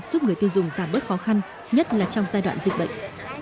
giúp người tiêu dùng giảm bớt khó khăn nhất là trong giai đoạn dịch bệnh